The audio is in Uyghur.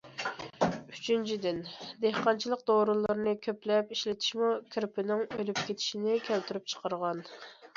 ئۈچىنچىدىن، دېھقانچىلىق دورىلىرىنى كۆپلەپ ئىشلىتىشمۇ كىرپىنىڭ ئۆلۈپ كېتىشىنى كەلتۈرۈپ چىقارغان.